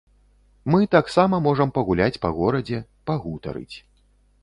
Мы таксама можам пагуляць па горадзе, пагутарыць.